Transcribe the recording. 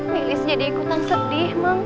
milisnya diikutan sedih